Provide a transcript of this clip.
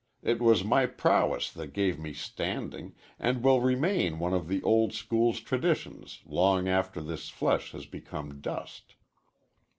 It was my prowess that gave me standing and will remain one of the old school's traditions long after this flesh has become dust."